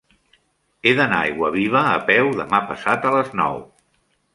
He d'anar a Aiguaviva a peu demà passat a les nou.